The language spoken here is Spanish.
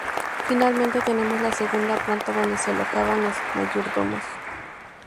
Finalmente tenemos la segunda planta donde se alojaban los mayordomos.